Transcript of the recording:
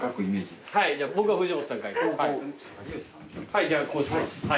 はいじゃあこうします。